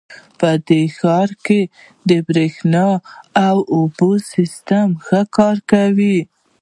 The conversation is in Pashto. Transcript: په دې ښار کې د بریښنا او اوبو سیسټم ښه کار کوي